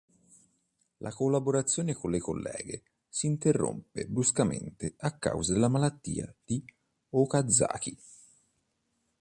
La collaborazione con le colleghe si interrompe bruscamente a causa della malattia di Okazaki.